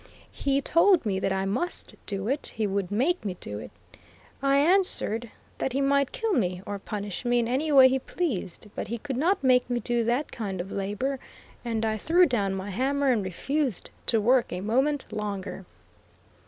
He told me that I must do it; he would make me do it. I answered that he might kill me, or punish me in any way he pleased, but he could not make me do that kind of labor, and I threw down my hammer and refused to work a moment longer.